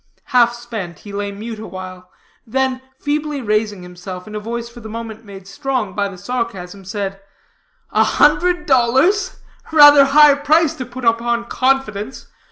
Half spent, he lay mute awhile, then feebly raising himself, in a voice for the moment made strong by the sarcasm, said, "A hundred dollars? rather high price to put upon confidence.